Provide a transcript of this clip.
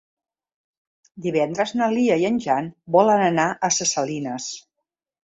Divendres na Lia i en Jan volen anar a Ses Salines.